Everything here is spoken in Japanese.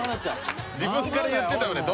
自分から言ってたよね